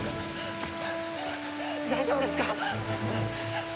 大丈夫ですか！？